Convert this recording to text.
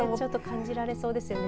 感じられそうですよね。